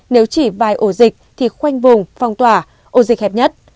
nếu chỉ vài ổ dịch thì khoanh vùng phong tỏa ổ dịch hẹp nhất